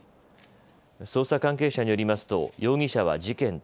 捜査関係者によりますと容疑者は事件